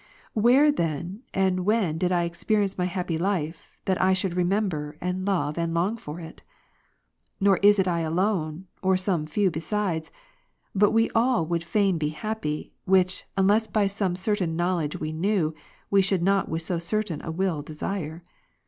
31. Where then and when did I experience my happy life, that I should remember, and love, and long for it ? Nor is it I alone, or some few besides, but we all would fain be happy ; which, unless by some certain knowledge we knew, we should not with so certain a will desire.